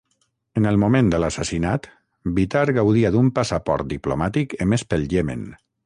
En el moment de l'assassinat, Bitar gaudia d'un passaport diplomàtic emés pel Iemen.